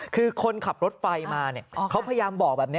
คือคนขับรถไฟมาเขาพยายามบอกแบบนี้